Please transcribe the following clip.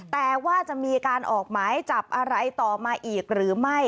แต่ว่าจะมีการออกหมายจับอะไรต่อมาอีกหรือไม่